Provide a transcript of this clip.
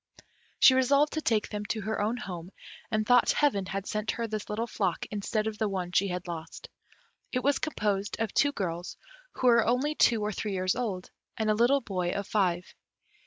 She resolved to take them to her own home, and thought Heaven had sent her this little flock instead of the one she had lost. It was composed of two girls, who were only two or three years old, and a little boy of five.